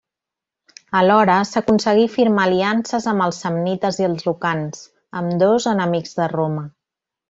Alhora, s'aconseguí firmar aliances amb els samnites i els lucans, ambdós enemics de Roma.